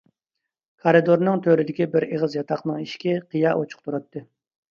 كارىدورنىڭ تۆرىدىكى بىر ئېغىز ياتاقنىڭ ئىشىكى قىيا ئۇچۇق تۇراتتى.